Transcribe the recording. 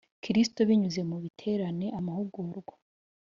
Kristo binyuze mu biterane amahugurwa